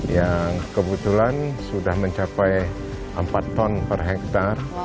yang kebetulan sudah mencapai empat ton per hektare